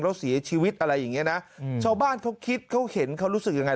แล้วเสียชีวิตอะไรอย่างเงี้ยนะชาวบ้านเขาคิดเขาเห็นเขารู้สึกยังไง